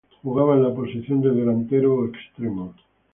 Jugaba en la posición de delantero o extremo.